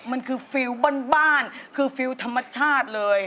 มันคือฟิลบ้านคือฟิลธรรมชาติเลย